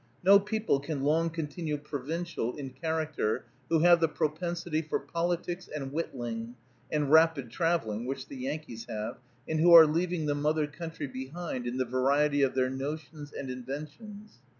No people can long continue provincial in character who have the propensity for politics and whittling, and rapid traveling, which the Yankees have, and who are leaving the mother country behind in the variety of their notions and inventions.